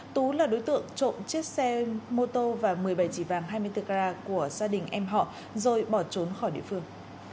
tú là đối tượng trộm chiếc xe mô tô và một mươi bảy chỉ vàng hai mươi bốn k của gia đình em họ rồi bỏ trốn khỏi địa phương